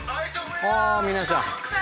あ皆さん。